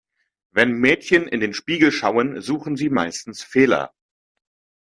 Wenn Mädchen in den Spiegel schauen, suchen sie meistens Fehler.